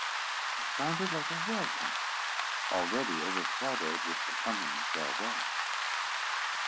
It sounded like a welcome already overshadowed with the coming farewell.